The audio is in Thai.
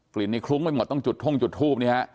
ลิ่นนี้คลุ้งไปหมดต้องจุดท่งจุดทูปนี่ฮะ